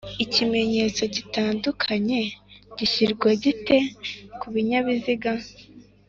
ikimenyetso gitandukanye gishyirwa gite ku kinyabiziga?